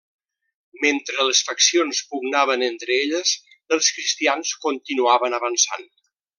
Mentre les faccions pugnaven entre elles, els cristians continuaven avançant.